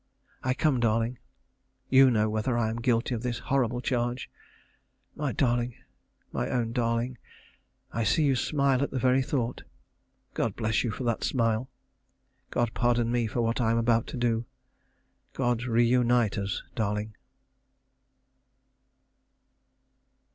I come, darling. You know whether I am guilty of this horrible charge. My darling my own darling I see you smile at the very thought. God bless you for that smile. God pardon me for what I am about to do. God reunite us, darling.